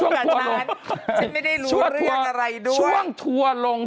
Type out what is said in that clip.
เงี่ยช่วงทัวร์ลง